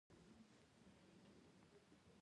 پور اخیستونکي عادي خلک وو.